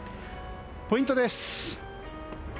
ポイントです。